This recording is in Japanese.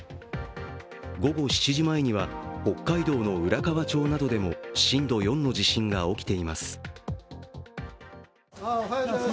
午後７時前には、北海道の浦河町などでも震度４の地震が起きています。